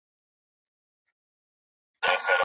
وايه څومره دې جانان کړم رب څومره